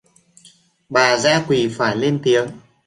Bà dã quỳ phải lên tiếng